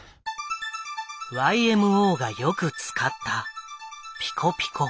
ＹＭＯがよく使ったピコピコ。